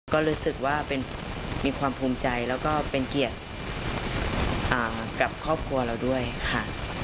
ก็รู้สึกว่ามีความภูมิใจแล้วก็เป็นเกียรติกับครอบครัวเราด้วยค่ะ